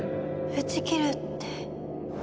打ち切るって。